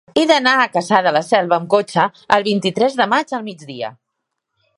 He d'anar a Cassà de la Selva amb cotxe el vint-i-tres de maig al migdia.